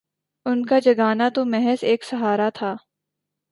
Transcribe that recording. ان کا جگانا تو محض ایک سہارا تھا